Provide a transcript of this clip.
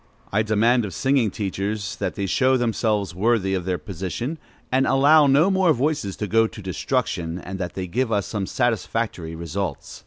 I demand of singing teachers that they show themselves worthy of their position, and allow no more voices to go to destruction, and that they give us some satisfactory results.